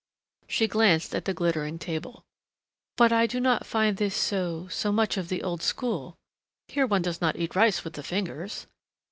She glanced at the glittering table. "But I do not find this so so much of the old school. Here one does not eat rice with the fingers!"